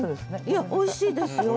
いやおいしいですよ。